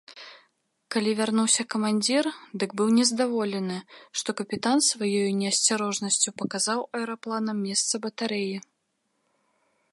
Калі вярнуўся камандзір, дык быў нездаволены, што капітан сваёю неасцярожнасцю паказаў аэрапланам месца батарэі.